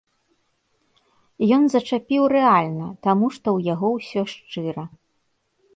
Ён зачапіў рэальна, таму што ў яго ўсё шчыра.